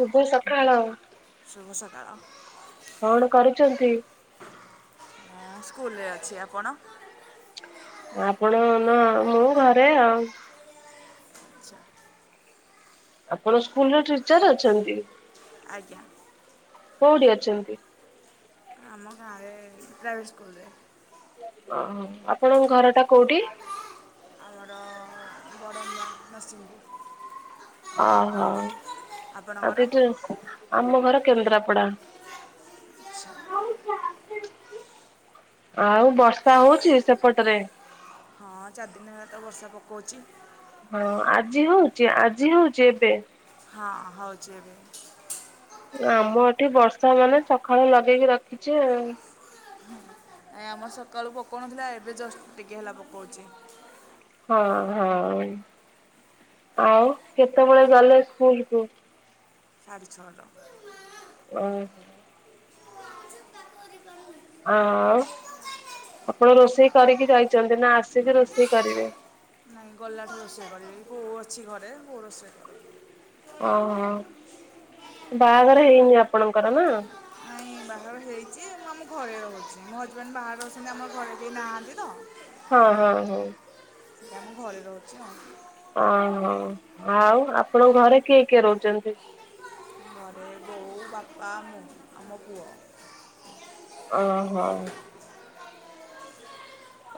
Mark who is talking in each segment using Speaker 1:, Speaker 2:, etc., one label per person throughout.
Speaker 1: ଶୁଭ ସଖାଳ।
Speaker 2: ଶୁଭ ସକାଳ।
Speaker 1: କଣ କରୁଚନ୍ତି?
Speaker 2: ହ ସ୍କୁଲରେ ଅଛି। ଆପଣ?
Speaker 1: ଆପଣ ନ ମୁଁ ଘରେ ଆଉ।
Speaker 2: ଆଚ୍ଛା
Speaker 1: ଆପଣ ସ୍କୁଲରେ ଟିଚର ଅଛନ୍ତି?
Speaker 2: ଆଜ୍ଞା।
Speaker 1: କୋଉଠି ଅଛନ୍ତି?
Speaker 2: ଆମ ଗାଁରେ ପ୍ରାଇଭେଟ୍ ସ୍କୁଲରେ।
Speaker 1: ଓହୋ ଆପଣଙ୍କ ଘରଟା କୋଉଟି?
Speaker 2: ଆମର ବଡ଼ମଆ ନରସିଂହ।
Speaker 1: ଓହୋ [unintelligible] ଆମ ଘର କେନ୍ଦ୍ରାପଡା।
Speaker 2: ଆଚ୍ଛା
Speaker 1: ଆଉ ବର୍ଷା ହଉଚି ସେପଟରେ?
Speaker 2: ହଁ ଚାରିଦିନ ହେଲାତ ବର୍ଷା ପକଉଚି।
Speaker 1: ହଁ ଆଜି ହଉଛି ଆଜି ହଉଛି ଏବେ?
Speaker 2: ହଁ ହଉଛି ଏବେ।
Speaker 1: ଆମଏଠି ବର୍ଷାମାନେ ସକାଳୁ ଲଗେଇକି ରଖିଛି ଆଉ।
Speaker 2: ନାଇଆମ ସକାଳୁ ପକାଉଣଥିଲା ଏବେ ଜଷ୍ଟ ଟିକେ ହେଲା ପକାଉଚି।
Speaker 1: ହଁ ହଁ ଆଉ କେତେବେଳେ ଗଲେ ସ୍କୁଲକୁ?
Speaker 2: ଛାଡେଛଡ଼।
Speaker 1: ଓୁଁ।। ଆଉ। ଆପଣ ରୋଷେଇ କରିକି ଯାଇଛନ୍ତି ନା ଆସିକି ରୋଷେଇ କରିବେ?
Speaker 2: ନାଇଁଗଲାଠୁ ରୋଷେଇ କରିବି ବୋଉ ଅଛି ଘରେ ବୋଉ ରୋଷେଇ
Speaker 1: ଅଁ ହଁ ବାହାଘର ହେଇନି ଆପଣଙ୍କର ନା?
Speaker 2: ନାଇଁ ବାହାଘର ହେଇଛି ମୁଁ ଆମ ଘରେରହୁଛି ମୋ ହଜବେଣ୍ଡ ବାହାରେ ଅଛନ୍ତି ଆମ ଘରେ କେହି ନାହାନ୍ତି ତ।
Speaker 1: ହଁ ହଁ ହଉ।
Speaker 2: ଆମ ଘରେ ରହୁଚି ହଁ।
Speaker 1: ଓହୋ ଆଉ ଆପଣଙ୍କ ଘରେ କିଏ କିଏ ରହଚନ୍ତି?
Speaker 2: ଘରେ ବୋଉ ବାପା ମୁଁ ଆମ ପୁଅ
Speaker 1: ଓହୋ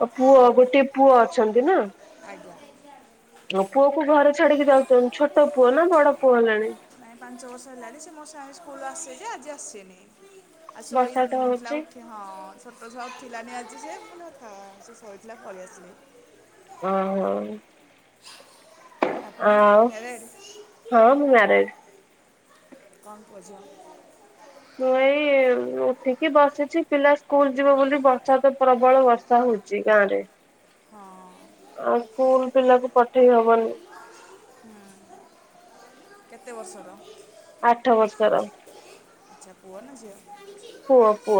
Speaker 1: ଆଉ ପୁଅ
Speaker 2: ଆପଣଙ୍କର
Speaker 1: ଗୋଟେ ପୁଅ ଅଛନ୍ତି ନା
Speaker 2: ଆଜ୍ଞା
Speaker 1: ହ ପୁଅକୁ ଘରେ ଛାଡିକି ଯାଉଛନ୍ତି ଛୋଟ ପୁଅ ନା ବଡ ପୁଅ ହେଲାଣି
Speaker 2: ପ୍ରାଇ ପାଞ୍ଚ ବର୍ଷ ହେଲାଣି ସେ ମୋ ସଙ୍ଗେ ସ୍କୁଲ ଆସିେ ଯେ ଆଜି ଆସି ନି ଆଉସୋଇ
Speaker 1: ବର୍ଷା ତ
Speaker 2: ନଥିଲା
Speaker 1: ହଉଛି
Speaker 2: ଉଠି ହଁ ଛୋଟ ଛୁଆ ଉଠିଲାାନି ଆଜି ସେ ପ ସେ ସୋଇଥିଲା ପଳେଇ ଆସିଲି
Speaker 1: ଅ ହଁ
Speaker 2: ଆପଣ ମ୍ୟାରେଜ
Speaker 1: ହଁ ମୁଁ ମ୍ୟାରେଜ।
Speaker 2: କଣ ପୁଅ ଝିଅ
Speaker 1: ମୁଁ ଏଇ ଉଠିକି ବସିଛି ପିଲା ସ୍କୁଲ ଯିବ ବୋଲି ବର୍ଷା ତ ପ୍ରବଳ ବର୍ଷା ହଉଛି ଗାଁ ରେ। ଆଉ ସ୍କୁଲ ପିଲାକୁ ପଠେଇ ହବନି
Speaker 2: କେତେ ବର୍ଷର?
Speaker 1: ଆଠ ବର୍ଷର।
Speaker 2: ଆଚ୍ଛା ପୁଅ ନା ଝିଅ?
Speaker 1: ପୁଅ ପୁଅ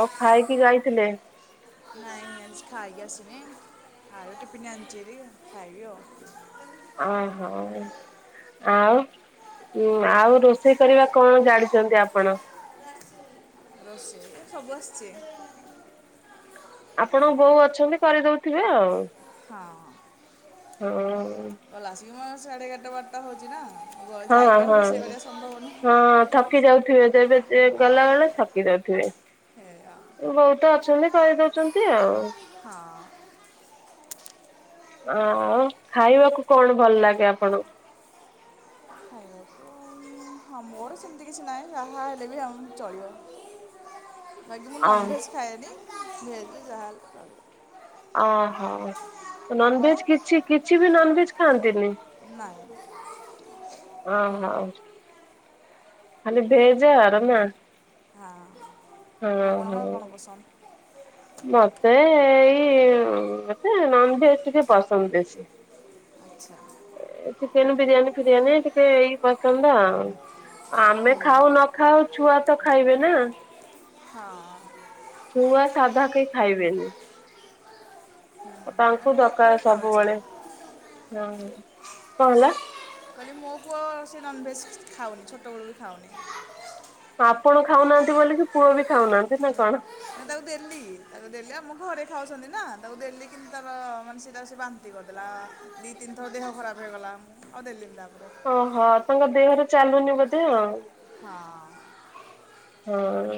Speaker 1: ଆଉ ଖାଇକି ଯାଇଥିଲେ।
Speaker 2: ନାଇଁ ଖାଇିକି ଆସିନି ଆଉ ଟିଫିନି ଆଣିଚି ଖାଇବି ଆଉ।
Speaker 1: ହ ହଁ ଆଉ ଆଉ ରୋଷେଇ କରିବା କଣ ଜାଣିଛନ୍ତି ଆପଣ?
Speaker 2: ରୋଷେଇ ତ ସବୁ ଆସିଛି।
Speaker 1: ଆପଣଙ୍କ ବୋଉ ଅଛନ୍ତି କରିଦଉଥିବେ ଆଉ।
Speaker 2: ହଁ।
Speaker 1: ହଁ ଉଁ।
Speaker 2: ହଉ ଲାସୀ ମା ସାଢ଼େ ଏଗାରଟା ବାରଟା ହଉଚି ନା
Speaker 1: ହଁ ହଁ
Speaker 2: ଯାଇକି ଆଉ
Speaker 1: ହଁ।
Speaker 2: ରୋଷେଇ କରିବା ସମ୍ଭବ ନୁହଁ
Speaker 1: ହଁ ଥକି ଯାଉଥିବେ ଯେବେ ଗଲାବେଳେ ଥକି ଯାଉଥିବେ
Speaker 2: [unintelligible]
Speaker 1: ବୋହୁତ ଅଛନ୍ତି କହିଦଉଚନ୍ତି ଆଉ
Speaker 2: ହଁ।
Speaker 1: ଅଁ ଖାଇବାକୁ କଣ ଭଲ ଲାଗେ ଆପଣ
Speaker 2: ଆ ହଁ ମୋର ସେମିତି କିଛି ନାହିଁ ଯାହା ହେଲେ ବି ଆଉ ଚଳିବ ବାକି ମୁଁ
Speaker 1: ଅଁ
Speaker 2: ନନଭେଜ୍ ଖାଏନି ଭେଜ ଜାହା ହେଲେ
Speaker 1: ଓହୋ
Speaker 2: ଆପଣ
Speaker 1: ନନଭେଜ କିଛି କିଛି ବି ନନଭେଜ ଖାଆନ୍ତିନି
Speaker 2: ନା।
Speaker 1: ହଁ ହଉ ଖାଲି ଭେଜ [unintelligible]
Speaker 2: ହଁ ଆପଣଙ୍କର
Speaker 1: ହଁ।
Speaker 2: କଣ ପସନ୍ଦ।
Speaker 1: ମତେ ଏଇ ମତେ ନନଭେଜ ଟିକେ ପସନ୍ଦ ବେସି।
Speaker 2: ଆଛା।
Speaker 1: ଚିକେନ ବିରିୟାନୀ ଫିରିୟାନୀ ଟିକେ ଏଇ ପସନ୍ଦ ଆଉ ଆମେ ଖାଉ ନ ଖାଉ ଛୁଆ ତ ଖାଇବେ ନା
Speaker 2: ହଁ।
Speaker 1: ଛୁଆ ସାଧା କେହି ଖାଇବେନି। ତାଙ୍କୁ
Speaker 2: ମୋ ପୁଅ
Speaker 1: ଦରକାର
Speaker 2: ଖାଉଛି
Speaker 1: ସବୁବେଳେ ହଁ କଣ ହେଲା
Speaker 2: କହିଲି ମୋ ପୁଅ ସେ ନନ୍ଭେଜ୍ ଖାଉନି ଛୋଟବେଳୁ ବି ଖାଉନି।
Speaker 1: ଆପଣ ଖାଉନାହାନ୍ତି ବୋଲି ପୁଅ ବି ଖାଉନାହାନ୍ତି ନା କଣ।
Speaker 2: ମୁଁ ତାକୁ ଦେଲି ତାକୁ ଦେଲି ଆଉ ମୁଁ ଘରେ ଖାଉଛନ୍ତି ନା ତାକୁ ଦେଲି କିନ୍ତୁ ତାର ମାନେ ସେ ତା ସେ ବାନ୍ତି ନ୍ତି କରିଦେଲା ଦି ତିନି ଥର ଦେହ ଖରାପ ହେଇଗଲା ଆଉ ଦେଲିନ ତାପରେ
Speaker 1: ଓହୋ ତାଙ୍କ ଦେହରେ ଚାଲୁନି ବୋଧେ ଆଉ
Speaker 2: ହଁ।
Speaker 1: ହଁ।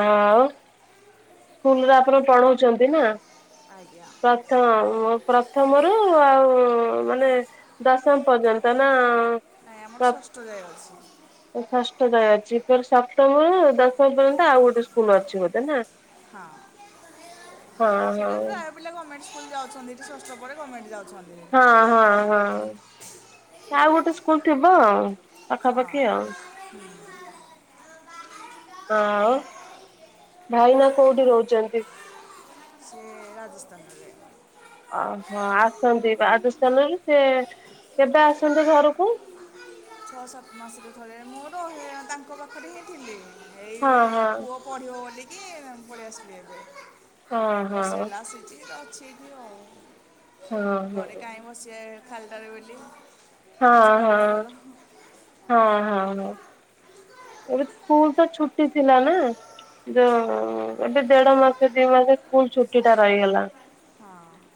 Speaker 1: ଆଉ ସ୍କୁଲରେ ଆପଣ ପଢଉଚନ୍ତି ନା।
Speaker 2: ଆଜ୍ଞା।
Speaker 1: ପ୍ରଥମ ପ୍ରଥମରୁ ଆଉ ମାନେ ଦଶମ ପର୍ଯ୍ୟନ୍ତ ନା
Speaker 2: ନାଇ ଆମର ଷଷ୍ଠ ଯାଏ ଅଛି।
Speaker 1: ଷଷ୍ଠ ଯାଏ ଅଛି ଫେର ସପ୍ତମରୁ ଦଶମ ପର୍ଯ୍ୟନ୍ତ ଆଉ ଗୋଟେ ସ୍କୁଲ ଅଛି ବୋଧେ ନା।
Speaker 2: ହଁ
Speaker 1: ହଁ
Speaker 2: ସେଟା ପ୍ରା
Speaker 1: ହଁ
Speaker 2: ପିଲା ଗଭର୍ଣ୍ଣମେଟ ସ୍କୁଲ ଯାଉଛନ୍ତି ଏଠ ଷଷ୍ଠ ପରେ ଗର୍ଣ୍ଣମେଣ୍ଟ ଯାଉଛନ୍ତି।
Speaker 1: ହଁ ହଁ ହଁ ଆଉ ଗୋଟେ ସ୍କୁଲ ଥିବ ଆଉ ପାଖାପାଖି ଆଉ।
Speaker 2: ହୁଁ
Speaker 1: ଆଉ ଭାଇନା କୋଉଟି ରୋହୁଚନ୍ତି।
Speaker 2: ସେ ରାଜସ୍ଥାନରେ।
Speaker 1: ଓହୋ ଆସନ୍ତି ବାଜସ୍ଥାନରୁ ସେ କେବେ ଆସନ୍ତି ଘରକୁ।
Speaker 2: ଛଅ ସାତ ମାସରେ ଥରେ ମୁଁ ରହେ ତାଙ୍କ ପାଖରେ ହିଁ ଥିଲି ଏଇ
Speaker 1: ହଁ ହଁ
Speaker 2: ପୁଅ ପଢିବ ବୋଲିିକି ପଳିଆସିଲି ଏବେ
Speaker 1: ହଁ
Speaker 2: ବର୍ଷେ ହେଲା ଆସିଛି ଅଛି।
Speaker 1: ହଁ ହଁ
Speaker 2: ଘରେ କାହିଁ ବସିବେ ଖାଲିଟାରେ ବୋଲି କିଛି କରିବା
Speaker 1: ହଁ
Speaker 2: ଭଲ
Speaker 1: ହଁ ହଁ ହଁ। ଏବେ ସ୍କୁଲ ତ ଛୁଟି ଥିଲା ନା। ଯୋଉ ଏବେ ଦେଢ ମାସେ ଦି ମାସେ ସ୍କୁଲ ଛୁଟି ଟା ରହିଗଲା।
Speaker 2: ହଁ।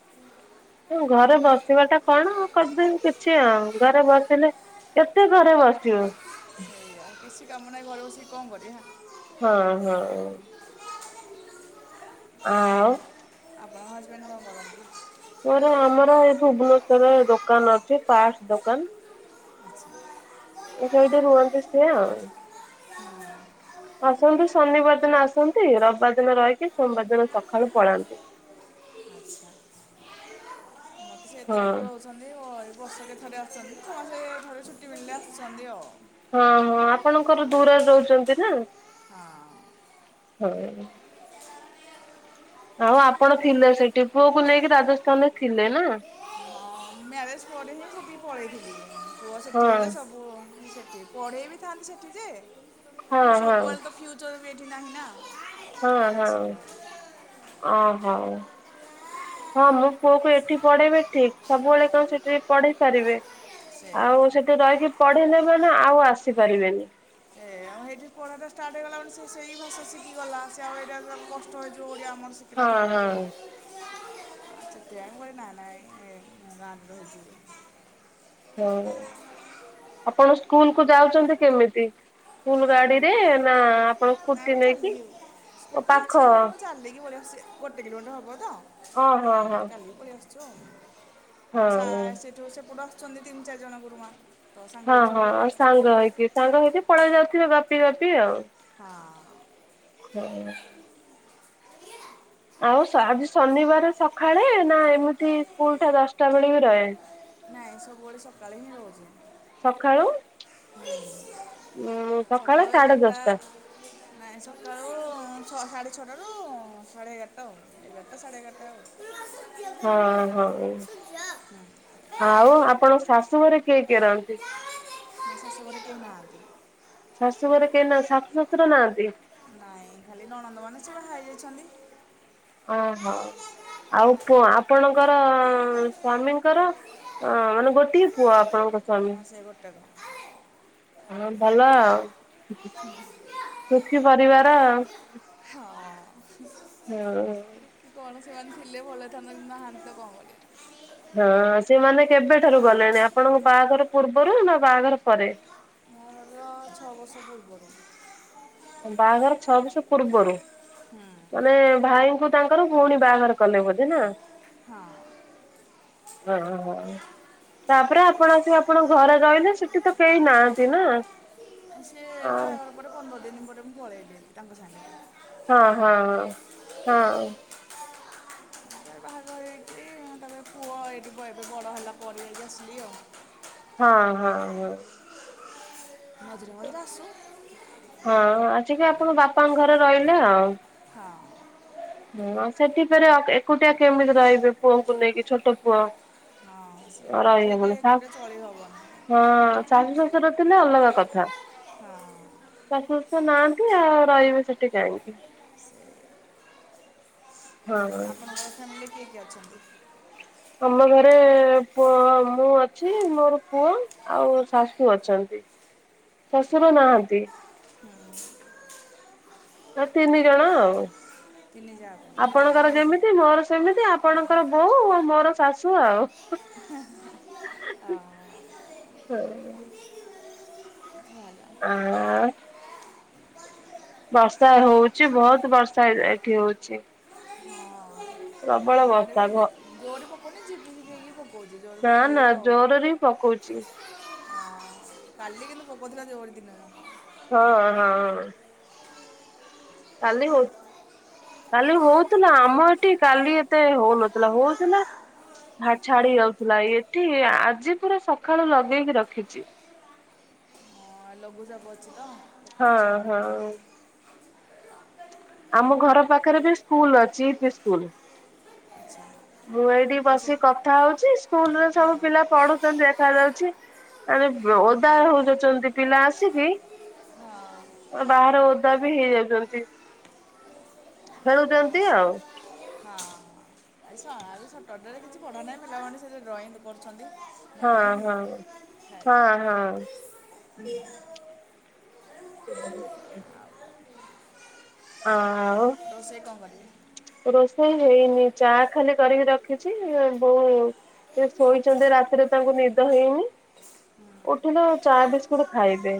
Speaker 1: ହ ଘରେ ବସିବା ଟା କଣ କରିଦେ କିଛି ଆଉ ଘରେ ବସିଲେ କେତେ ଘରେ ବସିବ।
Speaker 2: ସେଇଆ କିଛି କାମ ନାହିଁ ଘରେ ବସିକି କଣ କରିଆ
Speaker 1: ହଁ ହଁ। ଆଉ
Speaker 2: ଅବ ଆପଣ ଆପଣ ହଜବେଣ୍ଡ କ ଣ କରନ୍ତି?
Speaker 1: ମୋର ଆମର ଏ ଭୁବନେଶ୍ଵରେ ଦୋକାନ ଅଛି ପାର୍ଟ ଦୋକାନ।
Speaker 2: [unintelligible]
Speaker 1: ସେଇଠି ରୁହନ୍ତି ସିଏ ଆଉ।
Speaker 2: ହୁଁ।
Speaker 1: ଆସନ୍ତି, ଶନିବାର ଦିନ ଆସନ୍ତି ରବିବାର ଦିନ ରହିକି ସୋମବାର ଦିନ ସକାଳୁ ପଳାନ୍ତି।
Speaker 2: ମୋତେ ସେ ଏତେ
Speaker 1: ହଁ
Speaker 2: ବାଟରେ ରହୁଛନ୍ତି ଆ ଏ ବର୍ଷ କେ ଥରେ ଆସଛନ୍ତି ନହେଲେ ଘରେ ଛୁଟି ମିଳିଲେ ଆସୁଛନ୍ତି ଆଉ।
Speaker 1: ହଁ ହଁ ଆପଣଙ୍କର ଦୂରରେ ରହୁଛନ୍ତି ନା।
Speaker 2: ହଁ।
Speaker 1: ହଁ। ଆଉ ଆପଣ ଥିଲେ ସେଠି ପୁଅ କୁ ନେଇକି ରାଜସ୍ଥାନ ରେ ଥିଲେ ନା।
Speaker 2: ମ୍ୟାରେଜ୍ ପରେନି ହିଁ ସେଠିକି ପଳେଇଥିଲି ପୁଅ
Speaker 1: ହଁ।
Speaker 2: ସେଠି ହେଲା ସବୁ ସେଠି, ପଢେଇ ବି ଥାନ୍ତି ସେଠି ଯେ ମୁଁ
Speaker 1: ହଁ
Speaker 2: କହିଲି
Speaker 1: ହଁ
Speaker 2: ସବୁଆଲେ ତ ଫିଉ ଚର୍ ବି ଏଠି ନାହିଁ ନା।
Speaker 1: ହଁ
Speaker 2: ପଳେଇ
Speaker 1: ହଁ
Speaker 2: ଆସିଲି ଆଉ
Speaker 1: ଓ ହଉ। ହଁ ମୋ ପୁଅକୁ ଏଠି ପଢେଇବି ଠିକ ସବୁବେଳେ କଣ ସେଠି ପଢେଇ ପାରିବେ।
Speaker 2: ସେଇଆ
Speaker 1: ଆଉ ସେଠି ରହିକି ପଢେଇଲେ ମାନେ ଆଉ ଆସିପାରିବେନି।
Speaker 2: ଏ ଆଉ ହେଇଠି ପଢା ଟା ଷ୍ଟାର୍ଟ ହେଇଗଲା ମାନେ ସେ ସେଇ ଭାସା ଶିଖିଗଲା ସେ ଆଉ ଏଇଟା କଷ୍ଟ ହେଇଯିବ ଓଡିଆ ଆମର
Speaker 1: ହଁ
Speaker 2: କିଲା ବେଳକୁ
Speaker 1: ହଁ
Speaker 2: ସେଥି ପାଇଁ ମୁଁ କହିଲି ନାଇ ନାଇ ଗାଧୋଉଚି।
Speaker 1: ହଁ। ଆପଣ ସ୍କୁଲ କୁ ଯାଉଛନ୍ତି କେମିତି ସ୍କୁଲ ଗାଡିରେ ନା ଆପଣ
Speaker 2: ନାଇଁ
Speaker 1: ସ୍କୁଟି
Speaker 2: ମୁଁ
Speaker 1: ନେଇକି
Speaker 2: ଚାଲିକି
Speaker 1: ଓ
Speaker 2: ସ୍କୁଟି
Speaker 1: ପାଖ
Speaker 2: ଅଛି ବଟ୍ ମୁଁ ଚାଲିକି ପଳିଆସୁଚି ଗୋଟେ କିଲୋମିଟର ହବ ତ।
Speaker 1: ହଁ ହଁ ହଁ।
Speaker 2: ଛୁ ଆମ ସା
Speaker 1: ହଁ।
Speaker 2: ସେଠୁ ସେପଟୁ ଆସୁଛନ୍ତି ତିନି ଚାରିଜଣ ଗୁରୁମା। ତ ସାଙ୍ଗ
Speaker 1: ହଁ
Speaker 2: ହେଇକି
Speaker 1: ହଁ
Speaker 2: ସବୁ ପଳେଇ
Speaker 1: ଆଉ
Speaker 2: ଆସୁଛୁ
Speaker 1: ସାଙ୍ଗ ହେଇକି ସାଙ୍ଗ ହେଇକି ପଳେଇ ଯାଉଥିବେ ଗପି ଗପି ଆଉ।
Speaker 2: ହଁ।
Speaker 1: ହଁ। ଆଉ ଆଜି ଶନିବାର ସକାଳେ ନା ଏମିତି ସ୍କୁଲ ଟା ଦଶଟା ବେଳେ ବି ରହେ?
Speaker 2: ନାଇଁ ସବୁବେଳେ ସକାଳେ ହିଁ ରହୁଛି।
Speaker 1: ସକାଳୁ ଉଁ ସକାଳ
Speaker 2: ସକାଳୁ
Speaker 1: ସାଢେ
Speaker 2: ଏଗାଟା
Speaker 1: ଦଶଟା
Speaker 2: ନାଇ ସକାଳୁ ସାଢ଼େ ଛଅଟାରୁ ସାଢ଼େ ଏଗାରଟା ଆଉ। ଏଗାଟା ସାଢ଼େଏଗାଟା ଆଉ।
Speaker 1: ହଁ ହଁ ଆଉ ଆପଣ ଶାଶୁ ଘରେ କିଏ କିଏ ରହନ୍ତି?
Speaker 2: ମୋ ଶାଶୁଘରେ କେହି ନାହାନ୍ତି।
Speaker 1: ଶାଶୁଘରେ କେହି ନାନ୍ତି ଶାଶୁ ଶଶୁର ନାହାନ୍ତି।
Speaker 2: ନାଇଁ ଖାଲି ନଣନ୍ଦ ମାନେ ସେ ବାହା ହେଇଯାଇଛନ୍ତି।
Speaker 1: ଓ ହୋ। ଆଉ ଆପଣଙ୍କର ସ୍ଵାମୀଙ୍କର ଅ ମାନେ ଗୋଟେ ଟିଏ ପୁଅ ଆପଣଙ୍କ ସ୍ୱା।
Speaker 2: ହଁ ସେ ଗୋଟେକ।
Speaker 1: ହଁ ଭଲ ଆଉ, ସୁୁଖୀ ପରିବାର।
Speaker 2: ହଁ।
Speaker 1: ହଁ।
Speaker 2: କଣ ସେମାନେ ଥିଲେ ଭଲହେଇଥାନ୍ତା ନାହାନ୍ତି ତ କଣ କରିବି।
Speaker 1: ହଁ ସେମାନେ କେବେଠାରୁ ଗଲେଣି ଆପଣଙ୍କ ବାହାଘର ପୂର୍ବରୁ ନା ବାହାଘର ପରେ?
Speaker 2: ଅ ଛଅ ବର୍ଷ ପୂର୍ବ ରୁ।
Speaker 1: ବାହାଘର ଛଅ ବର୍ଷ ପୂର୍ବରୁ
Speaker 2: ହୁଁ।
Speaker 1: ମାନେ ଭାଇଙ୍କୁ ତାଙ୍କର ଭଉଣୀ ବାହାଘର କଲେ ବୋଧେ ନା?
Speaker 2: ହଁ।
Speaker 1: ଓ ହ ତାପରେ ଆପଣ ଆସି ଆପଣଙ୍କ ଘରେ ରହିଲେ ସେଠି ତ କେହି ନାହାନ୍ତି ନା?
Speaker 2: ସିଏ
Speaker 1: ହଁ
Speaker 2: ବାହାଘର ପରେ ପନ୍ଦର ଦିନ ପରେ ମୁଁ ପଳେଇଲି ତାଙ୍କ ସାଙ୍ଗରେ
Speaker 1: ହଁ ହଁ
Speaker 2: ବାହାରକୁ
Speaker 1: ହଁ।
Speaker 2: ବାହାଘର ହେଇକି ତାପରେ ପୁଅ ଏଇଟି ଏବେ ବଡ ହେଲା ପରେ ଯାଇକି ଆସିଲି ଆଉ।
Speaker 1: ହଁ ହଁ ହଁ।
Speaker 2: ମଝିରେ ମଝିରେ ଆସୁ।
Speaker 1: ହଁ
Speaker 2: ମୁଁ ପଳାଏ
Speaker 1: ଆସିକି ଆପଣ ବାପାଙ୍କ ଘରେ ରହିଲେ ଆଉ।
Speaker 2: ହଁ
Speaker 1: ହୁଁ ସେଠି ଫେରେ ଏକୁଟିଆ କେମିତି ରହିବେ ପୁଅଙ୍କୁ ନେଇକି ଛୋଟ ପୁଅ।
Speaker 2: ହଁ ସେ-
Speaker 1: ରହିବେ
Speaker 2: ସେଇଠି
Speaker 1: ପୁଣି ଶା
Speaker 2: ଏକୁଟିଆ ଚଳି ହେବନି
Speaker 1: ହଁ ଶାଶୁ ଶଶୁର ଥିଲେ ଅଲଗା କଥା।
Speaker 2: ହଁ।
Speaker 1: ଶାଶୁ ଶଶୁର ନାହାଁନ୍ତି ଆଉ ରହିବେ ସେଠି କାହିଁକି? ହଁ।
Speaker 2: ଫାମିଲରେ କିଏ କିଏ ଅଛନ୍ତି?
Speaker 1: ଆମ ଘରେ ପୁଅ ମୁଁ ଅଛି ମୋର ପୁଅ। ଆଉ ଶାଶୁ ଅଛନ୍ତି ଶ୍ୱଶୁର ନାହାନ୍ତି। ସେ ତିନି ଜଣ ଆଉ।
Speaker 2: ତିନି ଯା ହଁ
Speaker 1: ଆପଣଙ୍କର
Speaker 2: ଆମେ ଏଇ ସବୁ।
Speaker 1: ଯେମିତି ମୋର ସେମିତି
Speaker 2: ଓହୋ
Speaker 1: ଆପଣଙ୍କର ବୋଉ ମୋର ଶାଶୁ ଆଉ
Speaker 2: ହଁ
Speaker 1: ହ
Speaker 2: ଭଲ
Speaker 1: ହ [inaudible] ବର୍ଷା ହଉଛି ବହୁତ ବର୍ଷା ଏଠି ହଉଛି।
Speaker 2: ହଁ।
Speaker 1: ପ୍ରବଳ ବର୍ଷା ଘ
Speaker 2: ଖାଲି ଝିପି ଝିପି ହେଇକି ପକଉଚି। ଜୋରେ ପକେଇବ ଆଉ।
Speaker 1: ରେ ପକଉଚି।
Speaker 2: କାଲି କିନ୍ତୁ, ପକଉଥିଲା ଜୋରେ ଦିନଯାକ।
Speaker 1: ହଁ, ହଁ,। କାଲି ହଉ କାଲି ହଉଥିଲା। ଆମ ଏଠି, କାଲି ଏତେ ହଉନଥିଲା ହଉଥିଲା ଛାଡି ଛାଡି ଯାଉଥିଲା। ଏଠି ଆଜି ପୁରା ସକାଳୁ, ଲଗେଇକି ରଖିଚି।
Speaker 2: ହଁ। ଲଘୁ ଚାପ ଅଛି ତ।
Speaker 1: ହଁ, ହଁ।
Speaker 2: ର [inaudible]
Speaker 1: ଆମ, ଘର ପାଖରେ ବି ସ୍କୁଲ ଅଛି, ୟୁପି ସ୍କୁଲ
Speaker 2: ଆଚ୍ଛା
Speaker 1: ମୁଁ ଏ ଏଠି
Speaker 2: ବସେ
Speaker 1: ବସି କଥା ହଉଛି। ସ୍କୁଲରେ, ସବୁ ପିଲା ପଢୁଛନ୍ତି ଦେଖା ଯାଉଛି। ଖାଲି ଓଦା ହଉଚନ୍ତି। ପିଲା ଆସିକି
Speaker 2: ହଁ
Speaker 1: ବାହାର ଓଦା ବି ହେଇଯାଉଚନ୍ତି। ଖେଳୁଚନ୍ତି ଆଉ।
Speaker 2: ହଁ। ଆଜି ସଁ ଆଜି ସଟର ଡେରେ କିଛି ପଢା ନାଇଁ ପିଲାମାନେ ସେଠି ଡ୍ରଇଂ କରୁଛନ୍ତି। ମୁଁ
Speaker 1: ହଁ,
Speaker 2: କହିଲି
Speaker 1: ହଁ। ହଁ, ହଁ।
Speaker 2: ବ [inaudible]
Speaker 1: ହଁ [inaudible] ହଁ। ଆଉ,
Speaker 2: ରୋଷେଇ କଣ କରିବେ।
Speaker 1: ରୋଷେଇ ହେଇନି ଚା ଖାଲି କରିକି ରଖିଛି ବୋଉ ସେ ଶୋଇଛନ୍ତି ରାତିରେ ତାଙ୍କୁ ନିଦ ହେଇନି। ଉଠିଲୁ ଚା ବିସ୍କୁିଟ ଖାଇବେ।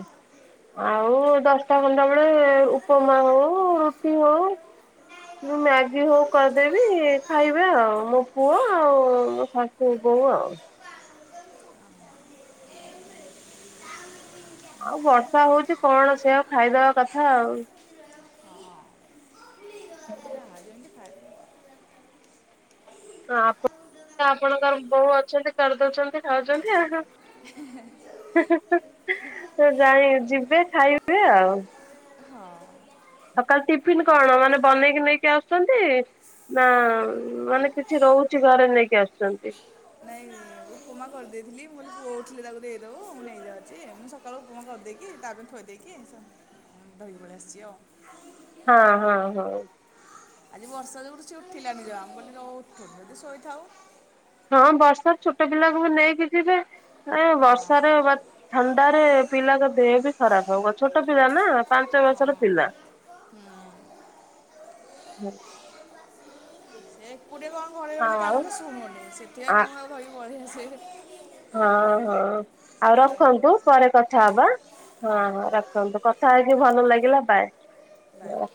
Speaker 1: ଆଉ ଦଶଟା ଖଣ୍ଡ ବେଳେ ଉପମା ହଉ ରୁଟି ହଉ କି ମ୍ୟାଆ ଗୀ ହଉ କରିଦେବି ଖାଇବେ ଆଉ ମୋ ପୁଅ ଆଉ ମୋ ଶାଶୁ ବୋଉ ଆଉ। ଆଉ ବର୍ଷା ହଉଛି କଣ ସେ ଆଉ ଖାଇବା କଥା ଆଉ।
Speaker 2: ହଁ ଯାହା ଯେମିତି
Speaker 1: [inaudible]
Speaker 2: ଖାଇଦେବା
Speaker 1: ହଁ ଆପ ଆପଣଙ୍କର ବୋଉ ଅଛନ୍ତି କରିଦଉଛନ୍ତି ଖାଉଛନ୍ତି ଆଉ।
Speaker 2: [inaudible]
Speaker 1: ଯାଇଁ ଯିବେ ଖାଇବେ ଆଉ।
Speaker 2: ହଁ।
Speaker 1: ଆଉ ସକାଳୁ ଟିଫିନ କଣ ମାନେ ବନେଇକି ନେଇକି ଆସୁଛନ୍ତି। ନା ମାନେ କିଛି ରହୁଛି ଘରେ ନେଇକି ଆସୁଛନ୍ତି।
Speaker 2: ନାଇଁ ଉପମା କରିଦେଇଥିଲି ମୁଁ କଲି ପୁଅ ଉଠିଲେ ତାକୁ ଦେଇଦବୁ ମୁଁ ନେଇଯାଉଛି ମୁଁ ସକାଳୁ ଉପମା କରିଦେଇକି ତାପାଇଁ ଥୋଇ ଦେଇକି କି ଧରିିକି ପଳେଇ ଆସିଛି ଆଉ।
Speaker 1: ହଁ ହଁ ହଁ।
Speaker 2: ଆଜି ବର୍ଷା ଯୋଗୁଁ ରୁ ସେ ଉଠିଲାନି ଜମା ମୁଁ କହିଲି ନ ଉଠୁଚି ଯଦି ଶୋଇଥାଉ।
Speaker 1: ହଁ ବର୍ଷା ଛୋଟ ପିଲାକୁ ବି ନେଇକି ଯିବେ ଏ
Speaker 2: ହଁ
Speaker 1: ବର୍ଷାରେ ବା ଥଣ୍ଡାରେ ପିଲାଙ୍କ ଦେହ ବି ଖରାପ ହବ ଛୋଟ ପିଲା ନା ପାଞ୍ଚ ବର୍ଷର ପିଲା।
Speaker 2: ହୁଁ।
Speaker 1: [inaudible]
Speaker 2: ମୁଁ ଟିକେ କଣ ଘରେ ରହିଲେ କାହା
Speaker 1: ଆଉ
Speaker 2: କଥା ଶୁଣୁନି ସେଥିପାଇଁ
Speaker 1: ଆ
Speaker 2: ମୁଁ ତାକୁ ଧରିକି ପଳେଇ ଆସେ।
Speaker 1: ହଁ ହଁ ଆଉ
Speaker 2: ହଇରାଣ
Speaker 1: ରଖନ୍ତୁ
Speaker 2: କରୁଛି
Speaker 1: ପରେ କଥା
Speaker 2: ଆଜ୍ଞା
Speaker 1: ହବା ହଁ ହଁ ରଖ ନ୍ତୁ କଥା ହେଇକି ଭଲ ଲାଗିଲା ବାଏ।
Speaker 2: ବାଏ